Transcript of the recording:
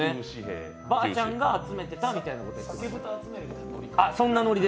ばあちゃんが集めてたみたいな。